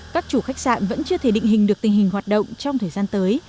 các chủ khách sạn vẫn chưa thể định hình được tình hình hoạt động trong thời gian tới